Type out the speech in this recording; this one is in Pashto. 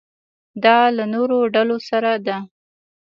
دا له نورو ډلو سره ده.